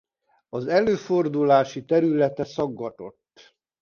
Az előfordulási területe szaggatott.